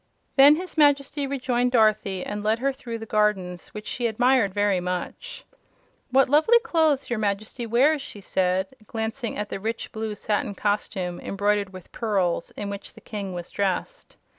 Then his Majesty rejoined Dorothy and led her through the gardens, which she admired very much. "What lovely clothes your Majesty wears!" she said, glancing at the rich blue satin costume, embroidered, with pearls in which the King was dressed.